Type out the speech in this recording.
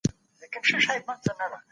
موږ ښه زده کوونکي يو.